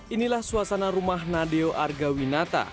inilah suasana rumah nadeo argawinata